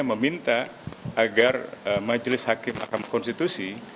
meminta agar majelis hakim mahkamah konstitusi